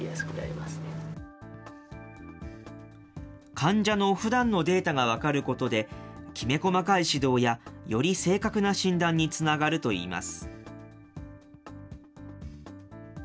患者のふだんのデータが分かることで、きめ細かい指導や、より正確な診断につながるといいます。